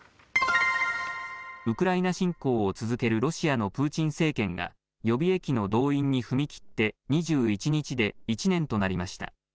ウクライナ侵攻を続けるロシアのプーチン政権が予備役の動員に踏み切って２１日で１年となりました。